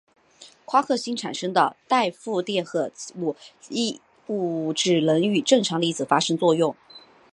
夸克星产生的带负电荷奇异物质能与正常粒子发生作用。